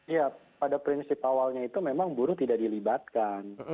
ya pada prinsip awalnya itu memang buruh tidak dilibatkan